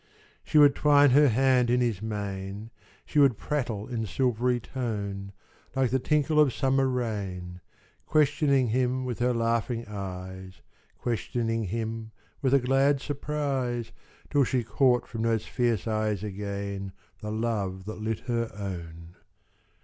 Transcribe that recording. She would twine her hand in his mane: She would prattle in silvery tone, Like the tinkle of summer rain Questioning him with her laughing eyes, Questioning him with a glad surprise, Till she caught from those fierce eyes again The love that lit her own.